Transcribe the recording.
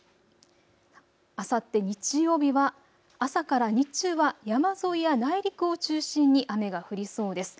あさって日曜日は朝から日中は山沿いや内陸を中心に雨が降りそうです。